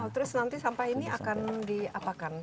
terus nanti sampah ini akan diapakan